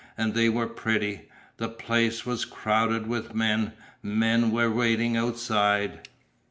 And they were pretty. The place was crowded with men. Men were waiting outside.